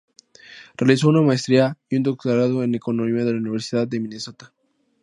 Realizó una maestría y un doctorado en Economía en la Universidad de Minnesota.